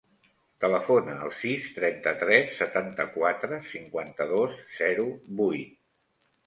Telefona al sis, trenta-tres, setanta-quatre, cinquanta-dos, zero, vuit.